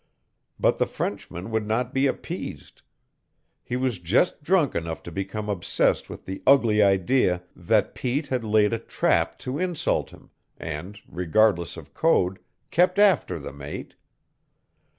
But the Frenchman would not be appeased. He was just drunk enough to become obsessed with the ugly idea that Pete had laid a trap to insult him, and, regardless of Code, kept after the mate.